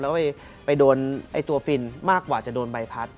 แล้วไปโดนตัวฟินมากกว่าจะโดนใบพัด